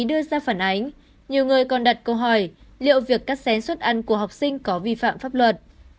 đưa ra phản ánh nhiều người còn đặt câu hỏi liệu việc cắt xén suất ăn của học sinh có vi phạm pháp luật